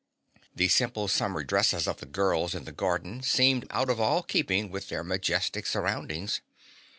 The simple summer dresses of the girls in the garden seemed out of all keeping with their majestic surroundings.